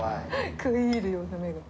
食い入るような目が。